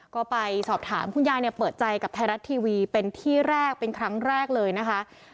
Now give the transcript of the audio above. ก็ไปสอบถามคุณยายเนี่ยเปิดใจกับไทยรัฐทีวีเป็นที่แรกเป็นครั้งแรกเลยนะคะ